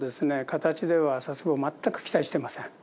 形では佐世保全く期待してません。